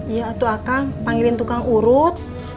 ya atau akan panggilin tukang urut